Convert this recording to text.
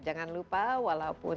jangan lupa walaupun